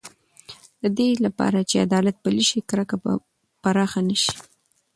د دې لپاره چې عدالت پلی شي، کرکه به پراخه نه شي.